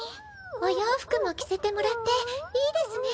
お洋服も着せてもらっていいですね。